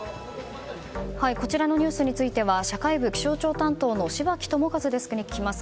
こちらのニュースについては社会部、気象庁担当の柴木友和デスクに聞きます。